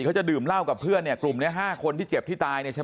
เขาจะดื่มเหล้ากับเพื่อนเนี่ยกลุ่มนี้๕คนที่เจ็บที่ตายเนี่ยใช่ไหม